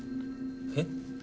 えっ？